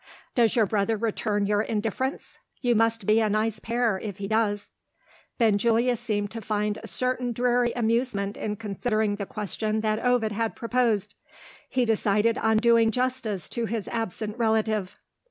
"Does your brother return your indifference? You must be a nice pair, if he does!" Benjulia seemed to find a certain dreary amusement in considering the question that Ovid had proposed. He decided on doing justice to his absent relative.